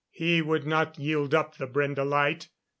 He would not yield up the Brende light.